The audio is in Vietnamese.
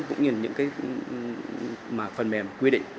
cũng như những phần mềm quy định